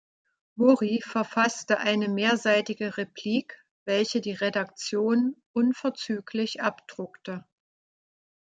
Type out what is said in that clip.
Mori verfasste eine mehrseitige Replik, welche die Redaktion unverzüglich abdruckte.